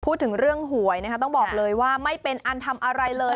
พูดถึงเรื่องหวยนะคะต้องบอกเลยว่าไม่เป็นอันทำอะไรเลย